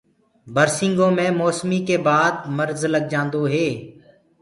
برسينگو مي مي موسمي ڪي بآد مرج لگجآندو هي۔